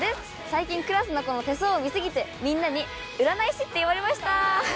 最近クラスの子の手相を見過ぎてみんなに占い師って言われました。